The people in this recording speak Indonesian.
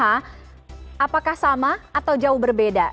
apakah sama atau jauh berbeda